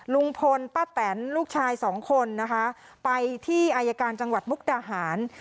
ลุงพลป้าแตนลูกชายสองคนนะคะไปที่อายการจังหวัดมุกดาหาร